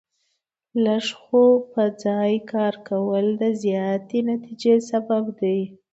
لږ خو په ځای کار کول د زیاتې نتیجې سبب دی.